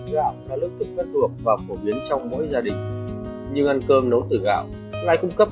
gạo là lưỡi thực phân thuộc và phổ biến trong mỗi gia đình nhưng ăn cơm nấu từ gạo lại cung cấp